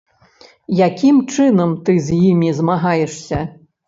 Якім чынам ты з імі змагаешся?